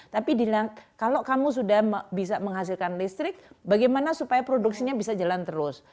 tapi kalau kamu sudah bisa menghasilkan listrik bagaimana supaya produksinya bisa jalan terus